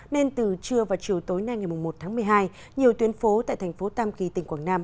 nên từ trưa và chiều tối nay ngày một tháng một mươi hai nhiều tuyến phố tại thành phố tam kỳ tỉnh quảng nam